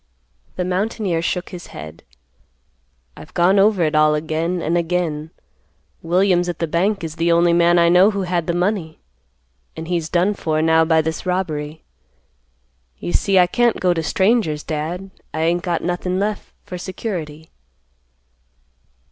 The mountaineer shook his head. "I've gone over it all again an' again. Williams at the bank is the only man I know who had the money, an' he's done for now by this robbery. You see I can't go to strangers, Dad; I ain't got nothin' left for security."